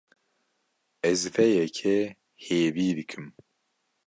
Ez vê yekê hêvî dikim.